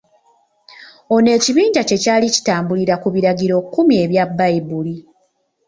Ono ekibinja kye kyali kitambulirira ku biragirokkumi ebya Bayibuli.